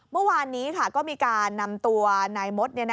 เมื่อวานนี้ก็มีการนำตัวนายมด